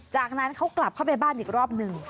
จากนั้นเขากลับเข้าไปบ้านอีกรอบหนึ่ง